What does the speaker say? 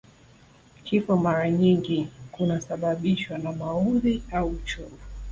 Kifo mara nyingi kunasababishwa na maudhi au uchovu